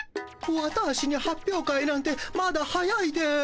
ワターシに発表会なんてまだ早いです。